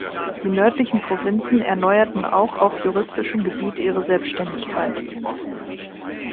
Die nördlichen Provinzen erneuerten auch auf juristischem Gebiet ihre Selbstständigkeit.